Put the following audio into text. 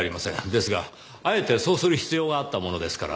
ですがあえてそうする必要があったものですから。